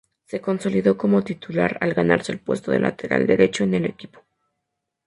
Se consolidó como titular al ganarse el puesto de lateral derecho en el equipo.